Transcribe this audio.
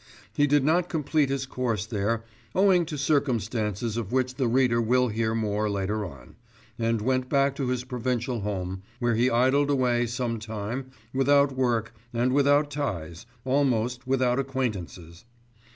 He did not complete his course there owing to circumstances of which the reader will hear more later on, and went back to his provincial home, where he idled away some time without work and without ties, almost without acquaintances.